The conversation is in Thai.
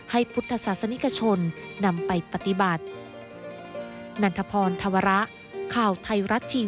พุทธศาสนิกชนนำไปปฏิบัติ